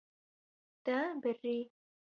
Te birî.